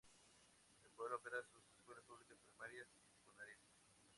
El pueblo opera sus escuelas públicas primarias y secundarias.